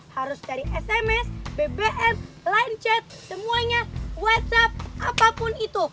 harus dari sms bbm line chat semuanya whatsapp apapun itu